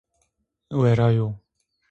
Weyra yo